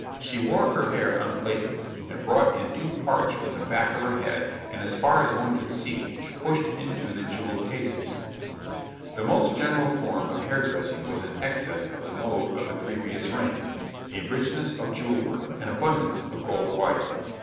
She wore her hair unplaited, and brought in two parts from the back of her head, and as far as one can see, pushed into the jewelled cases. [Illustration: {Five sleeve types for women}] The most general form of hair dressing was an excess on the mode of the previous reign, a richness of jewel work, an abundance of gold wire.